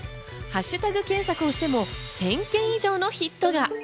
ハッシュタグ検索をしても１０００件以上のヒットが。